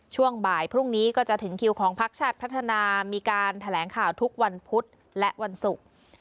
ช่วงบ่ายพรุ่งนี้ก็จะถึงคิวของพักชาติพัฒนามีการแถลงข่าวทุกวันพุธและวันศุกร์